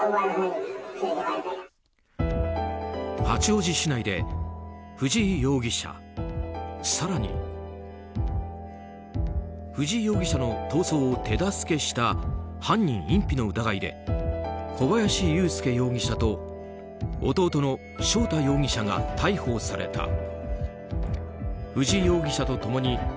八王子市内で藤井容疑者、更に藤井容疑者の逃走を手助けした犯人隠避の疑いで小林優介容疑者と弟の翔太容疑者が逮捕された。